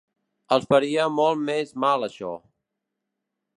Els faria molt més mal això.